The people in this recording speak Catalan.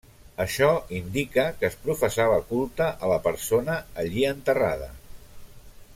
Això indica que es professava culte a la persona allí enterrada.